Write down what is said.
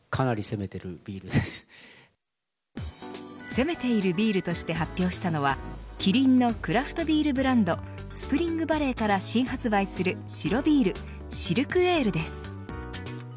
攻めているビールとして発表したのはキリンのクラフトビールブランドスプリングバレーから新発売する白ビールシルクエールです。